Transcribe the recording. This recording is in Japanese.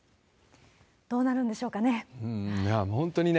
どうなるんでしょうかね。